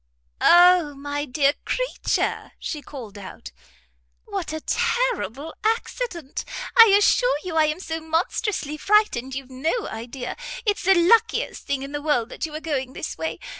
"O my dear creature," she called out, "what a terrible accident! I assure you I am so monstrously frightened you've no idea. It's the luckiest thing in the world that you were going this way.